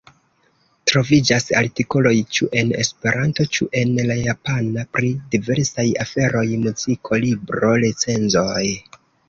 Troviĝas artikoloj ĉu en Esperanto ĉu en la Japana pri diversaj aferoj: muziko, libro-recenzoj.